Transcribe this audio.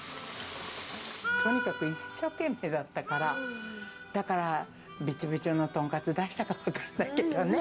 とにかく一生懸命だったから、だから、びちゃびちゃの豚カツ出したかも分からないけどね。